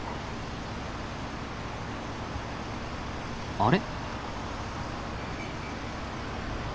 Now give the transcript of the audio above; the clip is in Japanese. あれ？